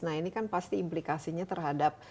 nah ini kan pasti implikasinya terhadap